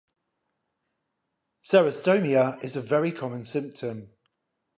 Xerostomia is a very common symptom.